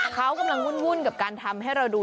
เขากำลังวุ่นกับการทำให้เราดู